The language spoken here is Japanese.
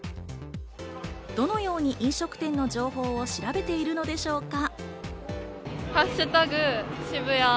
どのように飲食店の情報を調べているのでしょうか。